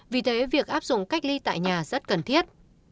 vì thế việc áp dụng cách ly tại nhà rất cần thiết